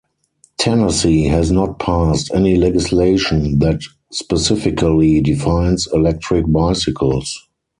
Tennessee has not passed any legislation that specifically defines electric bicycles.